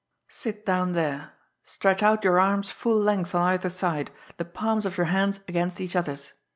"Sit down there, stretch out your arms full length on either side, the palms of your hands against each other's!"